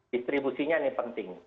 distribusinya ini penting